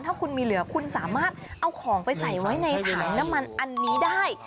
ถ้าคุณมีเหลือคุณสามารถเอาของไปใส่ไว้ในถังน้ำมันอันนี้ได้